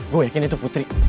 gue yakin itu putri